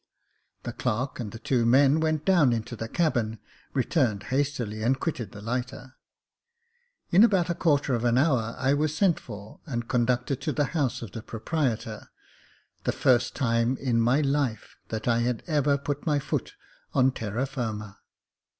The clerk and the two men went down into the cabin, returned hastily, and quitted the lighter. In about a quarter of an hour I was sent for, and conducted to the house of the proprietor — the first time in my life that I had ever put my foot on terra Jirma.